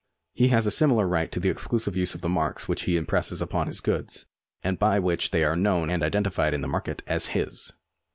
He has a similar right to the exclusive use of the marks which he impresses upon his goods, and by which they are known and identified in the market as his.